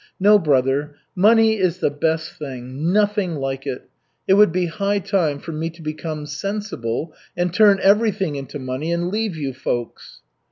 No, brother, money is the best thing nothing like it! It would be high time for me to become sensible and turn everything into money and leave you folks."